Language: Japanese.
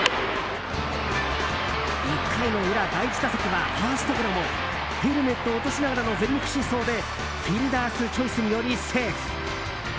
１回の裏第１打席はファーストゴロもヘルメットを落としながらの全力疾走でフィルダースチョイスによりセーフ！